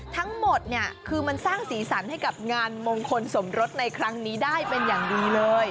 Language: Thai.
ทั้งหมดเนี่ยคือมันสร้างสีสันให้กับงานมงคลสมรสในครั้งนี้ได้เป็นอย่างดีเลย